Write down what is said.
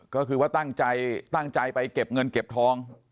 ก็คือว่าตั้งใจตั้งใจไปเก็บเงินเก็บทอง